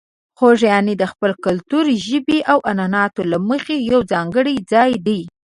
خوږیاڼي د خپل کلتور، ژبې او عنعناتو له مخې یو ځانګړی ځای دی.